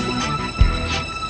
buang waktu cuma bikin kesal